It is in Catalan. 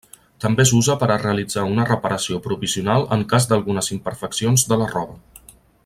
També s'usa per a realitzar una reparació provisional en cas d'algunes imperfeccions de la roba.